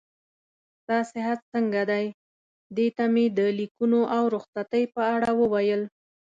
ستا صحت څنګه دی؟ دې ته مې د لیکونو او رخصتۍ په اړه وویل.